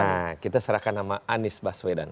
nah kita serahkan nama anies baswedan